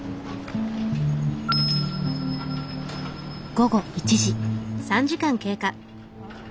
午後１時。